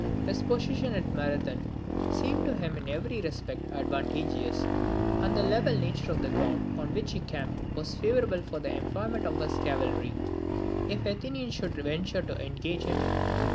His position at Marathon seemed to him in every respect advantageous; and the level nature of the ground on which he camped was favourable for the employment of his cavalry, if the Athenians should venture to engage him.